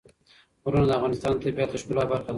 غرونه د افغانستان د طبیعت د ښکلا برخه ده.